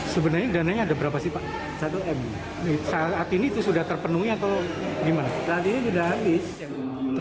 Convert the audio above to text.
sebenarnya ada udah berapa enggak usb saat ini sudah terpenuhi agar rose nari berabis yang lama